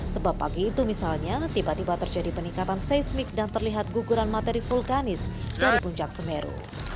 sebab pagi itu misalnya tiba tiba terjadi peningkatan seismik dan terlihat guguran materi vulkanis dari puncak semeru